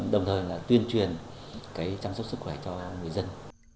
đồng thời là tuyên truyền chăm sóc sức khỏe cho người dân